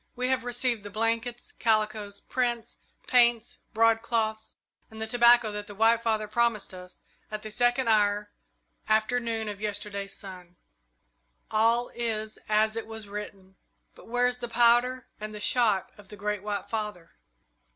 "We have received the blankets, calicoes, prints, paints, broadcloths, and the tobacco that the White Father promised us at the second hour after noon of yesterday's sun. All is as it was written. But where is the powder and shot of the Great White Father?